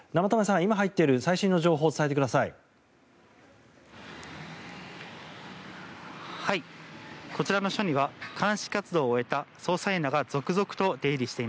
今入っている最新の情報を伝えてください。